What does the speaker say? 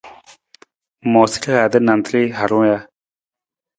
Ng moosa rihaata nantar harung ja?